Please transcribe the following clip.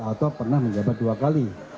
atau pernah menjabat dua kali